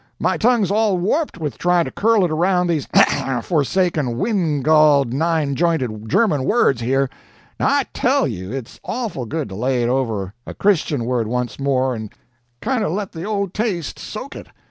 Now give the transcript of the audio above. My tongue's all warped with trying to curl it around these forsaken wind galled nine jointed German words here; now I TELL you it's awful good to lay it over a Christian word once more and kind of let the old taste soak it.